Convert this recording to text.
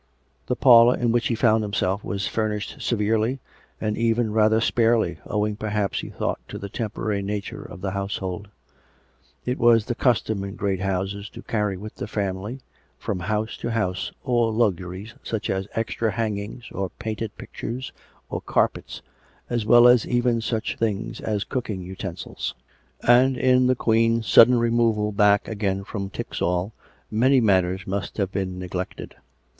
The parlour in which he found himself was furnished severely and even rather sparely, owing, perhaps, he thought, to the temporary nature of the household. It was the custom in great houses to carry with the family, from house to house, all luxuries such as extra hangings or painted pictures or carpets, as well as even such things as cooking utensils; and in the Queen's sudden removal back again from Tixall, many matters must have been neglected.